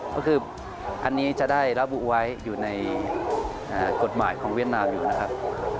ก็คืออันนี้จะได้ระบุไว้อยู่ในกฎหมายของเวียดนามอยู่นะครับ